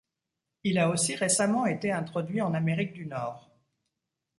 Il a aussi récemment été introduit en Amérique du Nord.